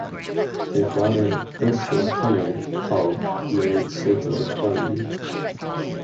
Their daughter Ursula Kennard Cull married Sir George Bellew.